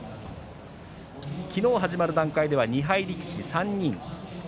昨日始まる段階では２敗力士３人。